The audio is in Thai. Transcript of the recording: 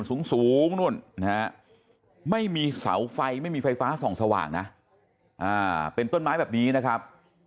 สูงนู่นนะฮะไม่มีเสาไฟไม่มีไฟฟ้าส่องสว่างนะเป็นต้นไม้แบบนี้นะครับ